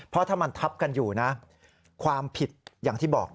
เพราะถ้ามันทับกันอยู่นะความผิดอย่างที่บอก